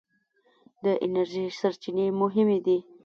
د انرژۍ سرچینې مهمې دي.